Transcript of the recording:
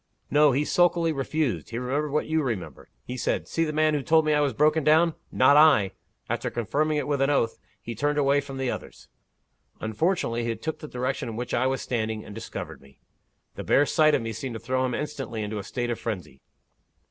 "No. He sulkily refused he remembered what you remember. He said, 'See the man who told me I was broken down? not I!' After confirming it with an oath, he turned away from the others. Unfortunately, he took the direction in which I was standing, and discovered me. The bare sight of me seemed to throw him instantly into a state of frenzy.